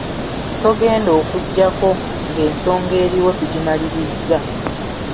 Togenda okuggyako ng'ensonga eriwo tugimalirizza